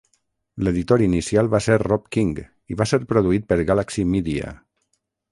L'editor inicial va ser Rob King i va ser produït per Galaxy Media.